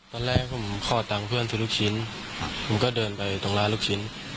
ตอนแรกผมขอตังค์เพื่อนซื้อลูกชิ้นผมก็เดินไปตรงร้านลูกชิ้น